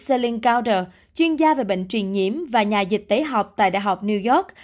ellen gouders chuyên gia về bệnh truyền nhiễm và nhà dịch tế học tại đại học new york